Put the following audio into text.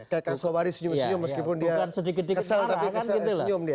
kekan sopari senyum senyum meskipun dia kesal tapi senyum dia